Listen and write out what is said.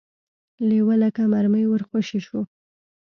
لېوه لکه مرمۍ ور خوشې شو.